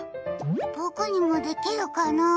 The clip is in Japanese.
僕にもできるかな？